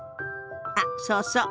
あっそうそう。